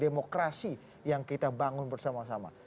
demokrasi yang kita bangun bersama sama